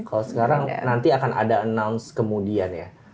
kalau sekarang nanti akan ada announce kemudian ya